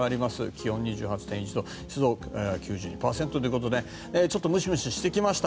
気温２８．１度湿度９２％ということでちょっとムシムシしてきました。